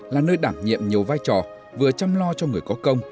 là nơi đảm nhiệm nhiều vai trò vừa chăm lo cho người có công